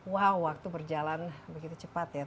wow waktu berjalan begitu cepat ya